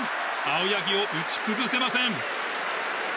青柳を打ち崩せません。